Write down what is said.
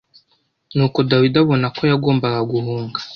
Nuko Dawidi abona ko yagombaga guhunga